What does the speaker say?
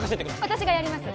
私がやります